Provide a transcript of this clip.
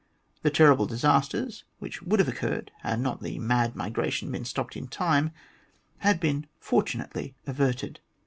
The terrible disasters which would have occurred, had not the mad migration been stopped in time, had been fortunately averted.